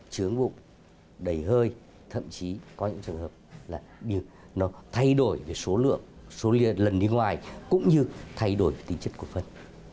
chướng bụng đầy hơi thậm chí có những trường hợp là nó thay đổi về số lượng số lượng lần đi ngoài cũng như thay đổi tính chất của phân